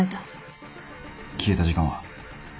消えた時間は？